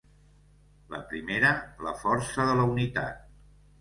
La primera, la força de la unitat.